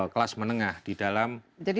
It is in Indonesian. kelas menengah di dalam